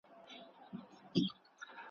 استادانو چلول درانه بارونه ,